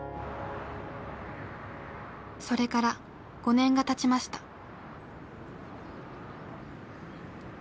それから５年がたちました。